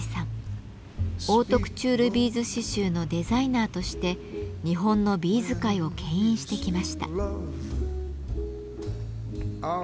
オートクチュールビーズ刺繍のデザイナーとして日本のビーズ界を牽引してきました。